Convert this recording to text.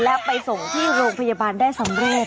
และไปส่งที่โรงพยาบาลได้สำเร็จ